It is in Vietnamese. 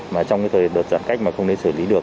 mà trong cái đợt giãn cách mà không đến xử lý được